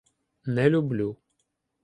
Не люблю.